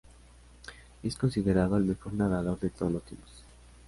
Y es considerado el mejor nadador de todos los tiempos.